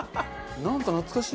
なんか懐かしい。